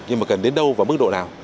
nhưng mà cần đến đâu và mức độ nào